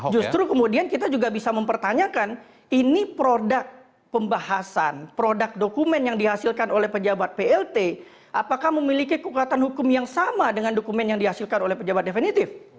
justru kemudian kita juga bisa mempertanyakan ini produk pembahasan produk dokumen yang dihasilkan oleh pejabat plt apakah memiliki kekuatan hukum yang sama dengan dokumen yang dihasilkan oleh pejabat definitif